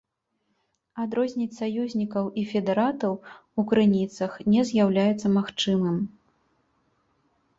Адрозніць саюзнікаў і федэратаў у крыніцах не ўяўляецца магчымым.